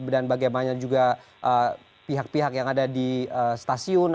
dan bagaimana juga pihak pihak yang ada di stasiun